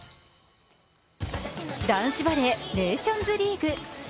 男子バレー、ネーションズリーグ。